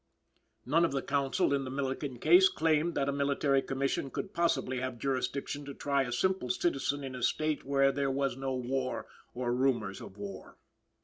None of the counsel in the Milligan case claimed that a Military Commission could possibly have jurisdiction to try a simple citizen in a State where there was no war or rumors of war.